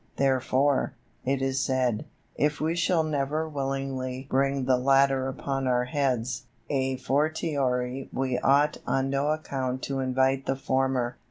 Therefore, it is said, if we shall never willingly bring the latter upon our heads, à fortiori we ought on no account to invite the former.